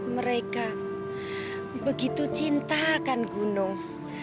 mereka begitu cintakan gunung